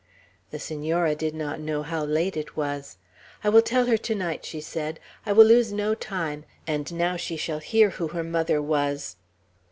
The Senora did not know how late it was. "I will tell her to night," she said. "I will lose no time; and now she shall hear who her mother was!"